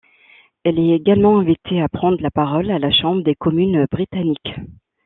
Elle est également invitée à prendre la parole à la Chambre des communes britannique.